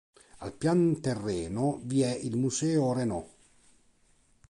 Al pian terreno vi è il Museo Renault.